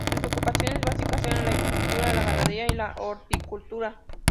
Sus ocupaciones básicas eran la agricultura, la ganadería y la horticultura.